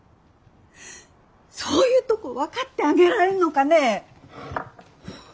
そういうとこ分かってあげられんのかねえ。